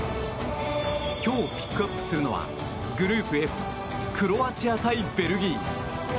今日ピックアップするのはグループＦクロアチア対ベルギー。